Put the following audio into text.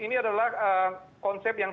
ini adalah konsep yang